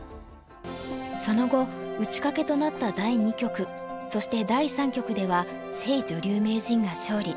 その後打ち掛けとなった第２局そして第３局では謝女流名人が勝利。